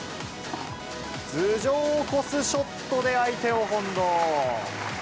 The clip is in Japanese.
頭上を越すショットで相手を翻弄。